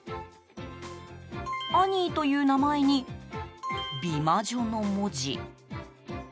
アニーという名前に美魔女の文字。